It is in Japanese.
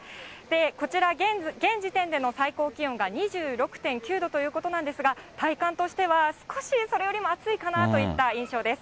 こちら、現時点での最高気温が２６．９度ということなんですが、体感としては少しそれよりも暑いかなといった印象です。